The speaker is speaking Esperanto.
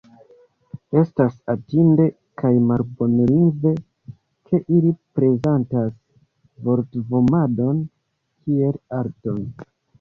Estas hatinde kaj malbonlingve, ke ili prezentas vortvomadon kiel arton.